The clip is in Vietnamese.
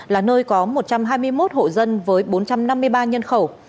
là nơi có một trăm hai mươi một hộ dân với bốn trăm năm mươi ba nhân khẩu